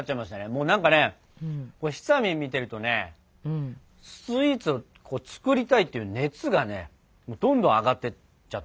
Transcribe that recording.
もうなんかねひさみん見てるとねスイーツを作りたいっていう熱がねどんどん上がってっちゃったね。